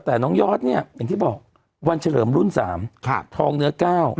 แต่น้องยอดเนี่ยอย่างที่บอกวันเฉลิมรุ่น๓ทองเนื้อ๙